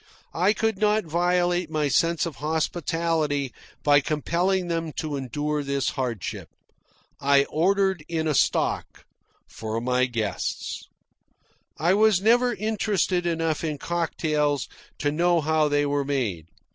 I could not violate my sense of hospitality by compelling them to endure this hardship. I ordered in a stock for my guests. I was never interested enough in cocktails to know how they were made.